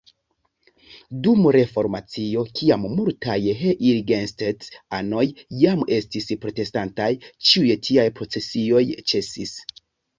Dum Reformacio, kiam multaj heiligenstadt-anoj jam estis protestantaj, ĉiuj tiaj procesioj ĉesis.